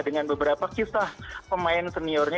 dengan beberapa kisah pemain seniornya